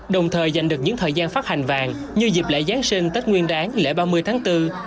đồng thời giành được những thời gian phát hành vàng như dịp lễ giáng sinh tết nguyên đáng lễ ba mươi tháng bốn